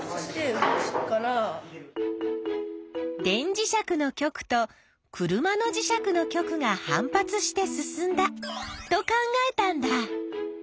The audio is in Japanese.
電磁石の極と車の磁石の極が反発して進んだと考えたんだ。